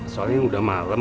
soalnya udah malem